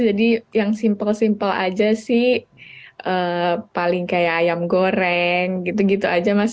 jadi yang simple simple aja sih paling kayak ayam goreng gitu gitu aja mas